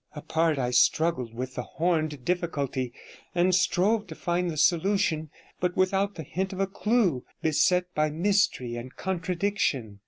Apart, I struggled with the horned difficulty, and strove to find the solution; but without the hint of a clue, beset by mystery and contradiction.